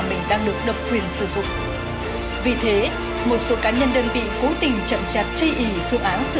mình đang được độc quyền sử dụng vì thế một số cá nhân đơn vị cố tình chậm chạp chây ý phương án